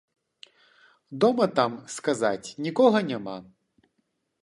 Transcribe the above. Дома там, сказаць, нікога няма.